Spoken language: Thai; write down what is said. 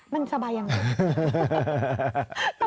มันสบายยังไง